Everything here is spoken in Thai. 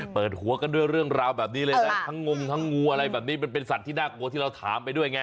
เปิดหัวกันด้วยเรื่องราวแบบนี้เลยนะทั้งงงทั้งงูอะไรแบบนี้มันเป็นสัตว์ที่น่ากลัวที่เราถามไปด้วยไง